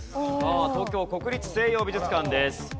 東京国立西洋美術館です。